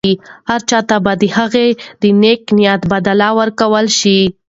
هر چا ته به د هغه د نېک نیت بدله ورکړل شي.